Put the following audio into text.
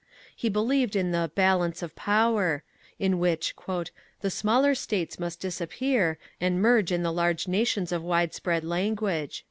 He believed in the "balance of power," in which "the smaller states must disappear, and merge in the large nations of widespread language."